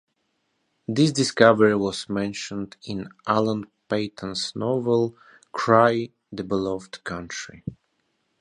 This discovery was mentioned in Alan Paton's novel "Cry, the Beloved Country".